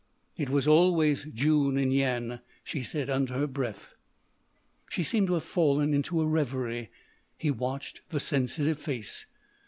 "It was always June in Yian," she said under her breath. She seemed to have fallen into a revery; he watched the sensitive face.